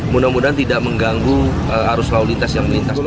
mudah mudahan tidak mengganggu arus lalu lintas yang melintas